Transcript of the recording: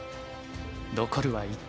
残るは１局。